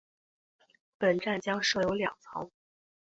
本站将设有两层。